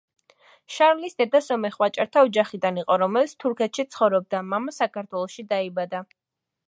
შარლის დედა სომეხ ვაჭართა ოჯახიდან იყო, რომელიც თურქეთში ცხოვრობდა, მამა საქართველოში დაიბადა.